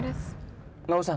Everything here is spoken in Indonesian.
ini angkuhnya res